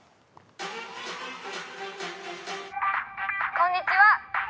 こんにちは！